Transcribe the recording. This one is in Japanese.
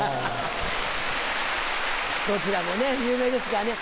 どちらもね有名ですからね